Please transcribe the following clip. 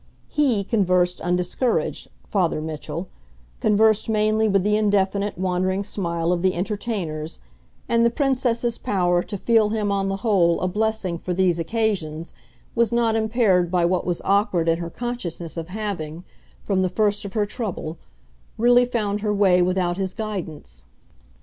HE conversed undiscouraged, Father Mitchell conversed mainly with the indefinite, wandering smile of the entertainers, and the Princess's power to feel him on the whole a blessing for these occasions was not impaired by what was awkward in her consciousness of having, from the first of her trouble, really found her way without his guidance.